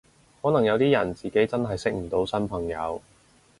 可能有啲人自己真係識唔到新朋友